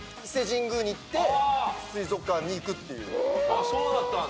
あっそうだったんだ。